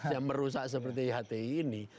yang merusak seperti hti ini